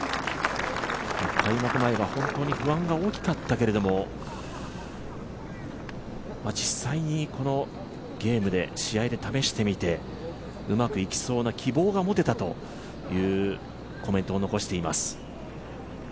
開幕前は本当に不安が大きかったけれども、実際にこのゲームで、試合で試してみてうまくいきそうな希望が持てたというコメントを残しています。